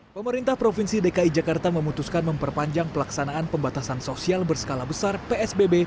pemerintah provinsi dki jakarta memutuskan memperpanjang pelaksanaan pembatasan sosial berskala besar psbb